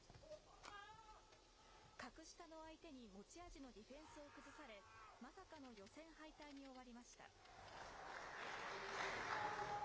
格下の相手に持ち味のディフェンスを崩され、まさかの予選敗退に終わりました。